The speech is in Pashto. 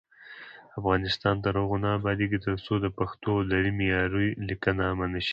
افغانستان تر هغو نه ابادیږي، ترڅو د پښتو او دري معیاري لیکنه عامه نشي.